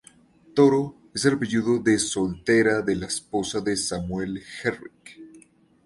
Toro es el apellido de soltera de la esposa de Samuel Herrick.